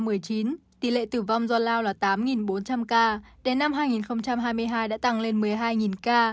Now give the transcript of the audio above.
năm hai nghìn một mươi chín tỷ lệ tử vong do lao là tám bốn trăm linh ca đến năm hai nghìn hai mươi hai đã tăng lên một mươi hai ca